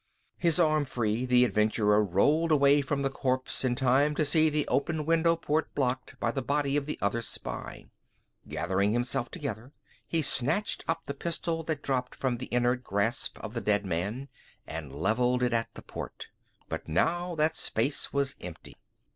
His arm free, the adventurer rolled away from the corpse in time to see the open window port blocked by the body of the other spy. Gathering himself together, he snatched up the pistol that dropped from the inert grasp of the dead man, and levelled it at the port. But now that space was empty.